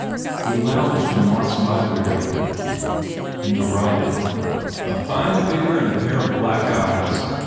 He lounged in Mark s library and derided: "A fine figger and a pair of black eyes.